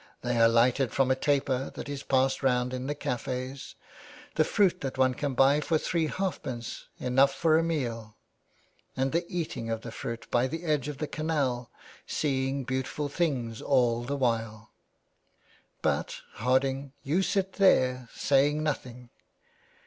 They are lighted from a taper that is passed round in the caf^s. The fruit that one can buy for three halfpence, enough for a meal. And the eating of the fruit by the edge of the canal — seeing beautiful things all the while. But, Harding, you sit there saying nothing.